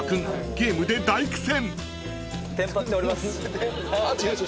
ゲームで大苦戦］